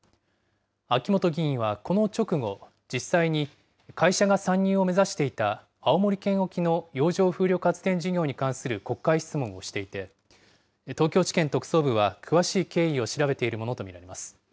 秋本議員はこの直後、実際に、会社が参入を目指していた青森県沖の洋上風力発電事業に関する国会質問をしていて、東京地検特捜部は、詳しい経緯を調べているものと見られます。